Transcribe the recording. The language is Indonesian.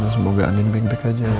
semoga andi baik baik aja ya allah